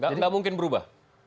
enggak mungkin berubah